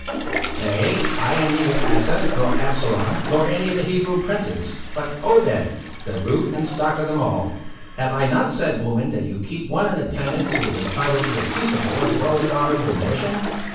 "Nay, I am neither Asa, nor Absalom, nor any of the Hebrew princes, but Obed, the root and stock of them all. Have I not said, woman, that you keep one in attendance who is entitled to a peaceable as well as an honourable admission?